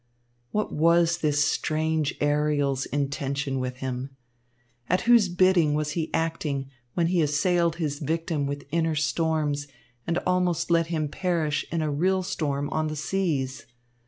What was this strange Ariel's intention with him? At whose bidding was he acting when he assailed his victim with inner storms and almost let him perish in a real storm on the seas?